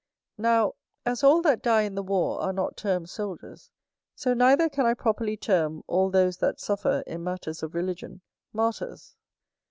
Now, as all that die in the war are not termed soldiers, so neither can I properly term all those that suffer in matters of religion, martyrs.